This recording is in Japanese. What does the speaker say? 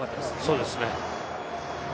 そうですね。